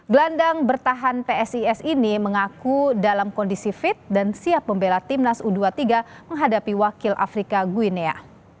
gelandang bertahan psis ini mengaku dalam kondisi fit dan siap membela timnas u dua puluh tiga menghadapi wakil afrika gwina